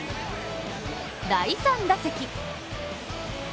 第３打席。